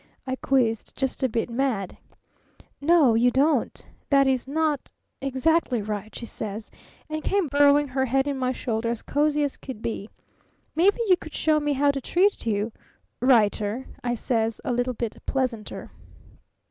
I quizzed, just a bit mad. 'No, you don't! That is, not exactly right,' she says, and came burrowing her head in my shoulder as cozy as could be. 'Maybe you could show me how to treat you righter,' I says, a little bit pleasanter.